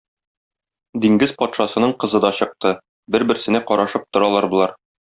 Диңгез патшасының кызы да чыкты, бер-берсенә карашып торалар болар.